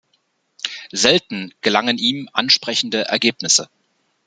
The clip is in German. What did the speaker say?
Selten gelangen ihm ansprechende Ergebnisse.